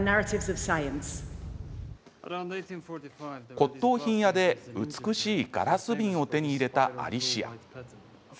骨とう品屋で美しいガラス瓶を手に入れたアリシア。